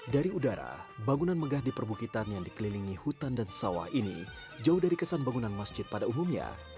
dari udara bangunan megah di perbukitan yang dikelilingi hutan dan sawah ini jauh dari kesan bangunan masjid pada umumnya